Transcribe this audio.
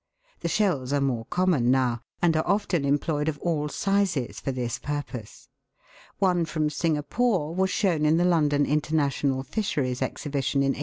The shells are more common now, and are often employed of all sizes for this purpose. One from Singapore (Fig. 25) was shown in the London International Fisheries Exhibition, in 1883.